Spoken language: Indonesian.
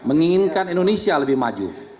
menginginkan indonesia lebih maju